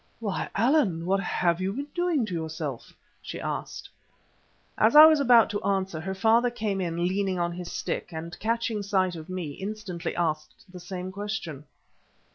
"Why, Allan! what have you been doing to yourself?" she asked. As I was about to answer, her father came in leaning on his stick, and, catching sight of me, instantly asked the same question.